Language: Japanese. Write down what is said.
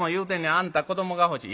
『あんた子どもが欲しい』。